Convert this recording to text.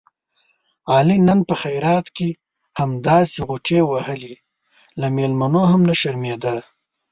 علي نن په خیرات کې همداسې غوټې وهلې، له مېلمنو هم نه شرمېدا.